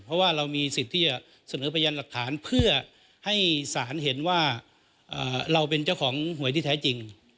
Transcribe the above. เพราะว่าเรามีสิทธิ์ที่จะเสนอพยานหลักฐานเพื่อให้ศาลเห็นว่าเราเป็นเจ้าของหวยที่แท้จริง